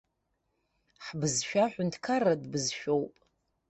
Ҳбызшәа ҳәынҭқарратә бызшәоуп.